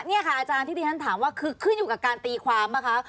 นี่ค่ะอาจารย์ที่ที่ฉันถามว่าคือขึ้นอยู่กับการตีความป่ะคะ